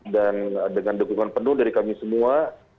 dan dengan dukungan penuh dari kami semua